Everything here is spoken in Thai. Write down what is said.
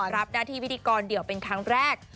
รับหน้าที่พิธีกรเดี่ยวเป็นครั้งแรก